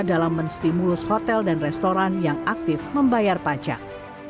dalam menstimulus hotel dan restoran yang aktif membayar pajak